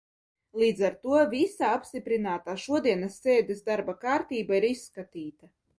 Līdz ar to visa apstiprinātā šodienas sēdes darba kārtība ir izskatīta.